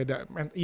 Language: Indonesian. ada ya betul